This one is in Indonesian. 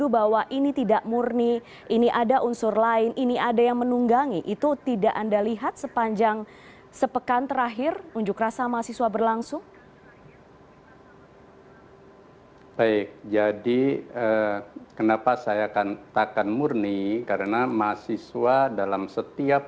bersama bapak bapak sekalian